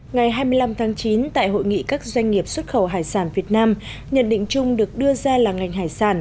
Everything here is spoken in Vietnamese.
ngày hai mươi năm tháng chín tại hội nghị các doanh nghiệp xuất khẩu hải sản việt nam nhận định chung được đưa ra là ngành hải sản